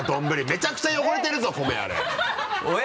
めちゃくちゃ汚れてるぞ米あれ。